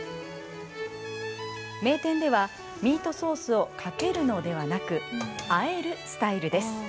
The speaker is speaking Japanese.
名店ではミートソースをかけるのではなくあえるスタイルです。